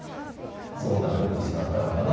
そうなるべくしてなったのかな